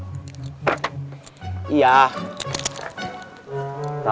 saya ada beli makan juga enggak